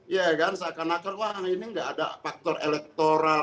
iya kan seakan akan wah ini nggak ada faktor elektoral